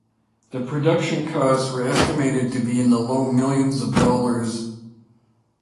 The production costs were estimated to be in the low millions of dollars.